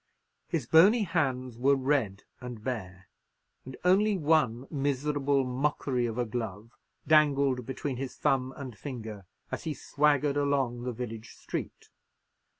His bony hands were red and bare, and only one miserable mockery of a glove dangled between his thumb and finger as he swaggered along the village street.